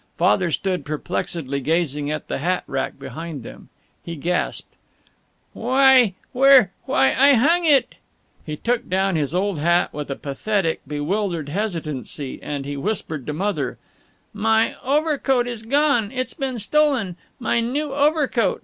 Father stood perplexedly gazing at the hat rack behind them. He gasped, "Why, where Why, I hung it " He took down his old hat with a pathetic, bewildered hesitancy, and he whispered to Mother, "My overcoat is gone it's been stolen my new overcoat.